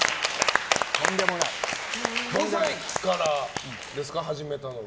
５歳からですか、始めたのは。